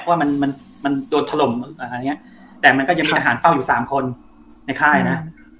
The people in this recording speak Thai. เพราะมันโดนถล่มอ่านางนี้แต่มันก็ยังมีทหารเฝ้าอยู่๓คนในค่ายนะ